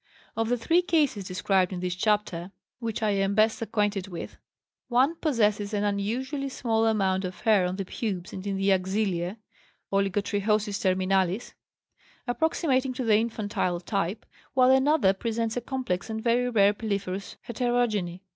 Of the three cases described in this chapter which I am best acquainted with, one possesses an unusually small amount of hair on the pubes and in the axillæ (oligotrichosis terminalis), approximating to the infantile type, while another presents a complex and very rare piliferous heterogeny.